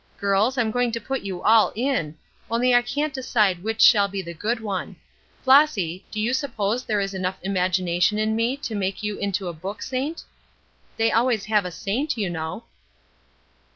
Girls, I'm going to put you all in, only I can't decide which shall be the good one. Flossy, do you suppose there is enough imagination in me to make you into a book saint? They always have a saint, you know."